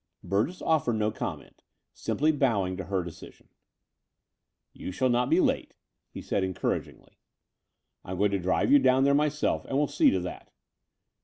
Burgess offered no comment, simply bowing to her decision. "You shall not be late," he said encouragingly. The Dower House 263 "I am going to drive you down myself and will see to that."